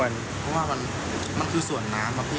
เพราะว่ามันมันคือส่วนน้ำอ่ะพี่